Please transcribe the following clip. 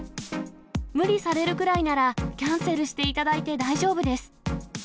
無理されるくらいなら、キャンセルしていただいて大丈夫です。